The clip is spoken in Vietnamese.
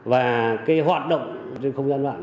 và cái hoạt động trên không gian mạng